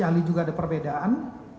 ahli juga ada perbedaan